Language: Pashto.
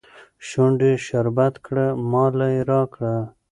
شونډي شربت کړه ماله يې راکړه